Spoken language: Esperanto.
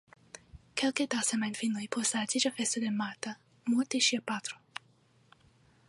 Kelke da semajnoj post la edziĝa festo de Marta mortis ŝia patro.